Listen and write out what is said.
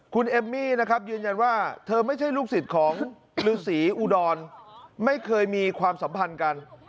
คุณเอมมี่นะครับยืนยันว่าเธอไม่ใช่ลูกศิษย์ของฤษีอุดรไม่เคยมีความสัมพันธ์กัน